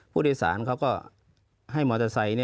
ผู้โดยสารเขาก็ให้มอเตอร์ไซค์